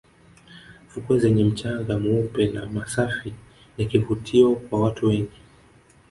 fukwe zenye mchanga mweupe na masafi ni kivutio kwa watu wengi